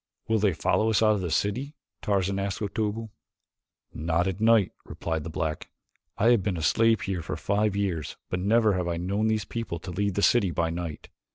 "Will they follow us out of the city?" Tarzan asked Otobu. "Not at night," replied the black. "I have been a slave here for five years but never have I known these people to leave the city by night.